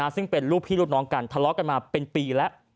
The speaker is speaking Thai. ซึ่งเป็นลูกพี่ลูกน้องกันทะเลาะกันมาเป็นปีแล้ว